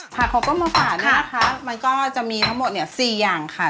ผักของต้มมาฝากเนี่ยนะคะมันก็จะมีทั้งหมดเนี่ย๔อย่างค่ะ